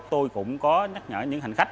tôi cũng có nhắc nhở những hành khách